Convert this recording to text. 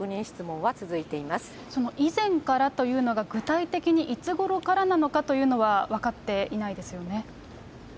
その、以前からというのが、具体的にいつごろからなのかというのは、分かっていないですよね。